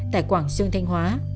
tại quảng sương thanh hóa